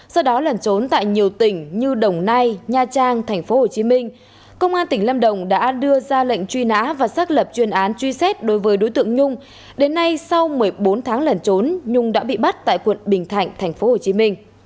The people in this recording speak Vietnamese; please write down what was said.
sau đó lẩn trốn tại nhiều tỉnh như đồng nai nha trang tp hcm công an tỉnh lâm đồng đã đưa ra lệnh truy nã và xác lập chuyên án truy xét đối với đối tượng nhung đến nay sau một mươi bốn tháng lẩn trốn nhung đã bị bắt tại quận bình thạnh tp hcm